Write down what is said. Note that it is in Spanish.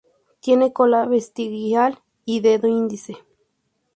Tienen cola vestigial y dedo índice.